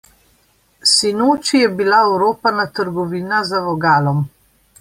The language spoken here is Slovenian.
Sinoči je bila oropana trgovina za vogalom.